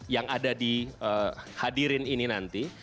yang ada di hadirin ini nanti